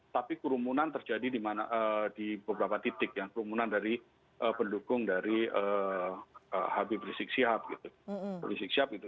tapi kerumunan terjadi di beberapa titik ya kerumunan dari pendukung dari habib rizik sihab gitu sih